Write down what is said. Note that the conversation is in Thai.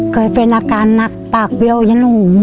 เคยเป็นอาการหนักปากเบี้ยวยะหนู